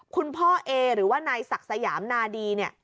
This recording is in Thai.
คุณพ่อเอหรือว่านายศักดิ์สยามนาดีเนี่ย